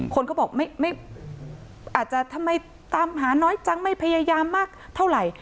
คนก็บอกอาจจะทำไมตามหาน้อยจังไม่พยายามมากเท่าไหร่